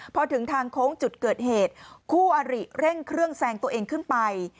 พอถึงทางโค้งจุดเกิดเหตุคู่อริเร่งเครื่องแซงตัวเองขึ้นไป